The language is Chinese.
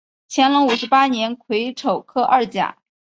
乾隆五十八年癸丑科二甲。